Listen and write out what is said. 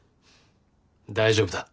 大丈夫だ。